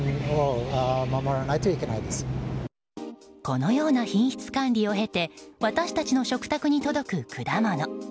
このような品質管理を経て私たちの食卓に届く果物。